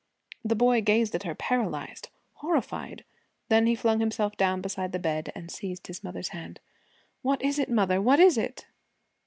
The boy gazed at her paralyzed, horrified; then he flung himself down beside the bed and seized his mother's hand. 'What is it, mother, what is it?'